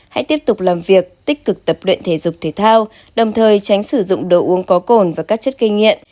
hãy tiếp tục làm việc tích cực tập luyện thể dục thể thao đồng thời tránh sử dụng đồ uống có cồn và các chất kinh nghiệm